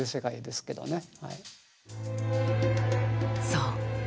そう。